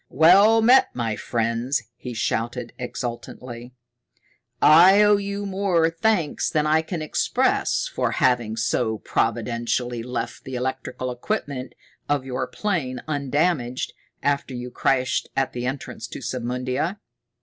"Well met, my friends!" he shouted exultantly. "I owe you more thanks than I can express for having so providentially left the electrical equipment of your plane undamaged after you crashed at the entrance to Submundia.